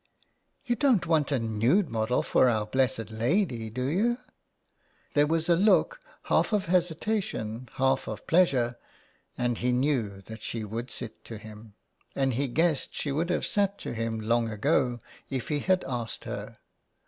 "You don't want a nude model for Our Blessed Lady. Do you ?" There was a look, half of hesitation, half of pleasure, and he knew that she would sit to him, and he guessed 15 IN THE CLAY. she would have sat to him long ago if he had asked her.